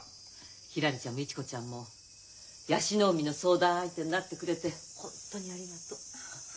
ひらりちゃんも市子ちゃんも椰子の海の相談相手になってくれてホントにありがとう。